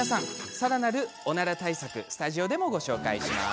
さらなる、おなら対策はスタジオでご紹介します。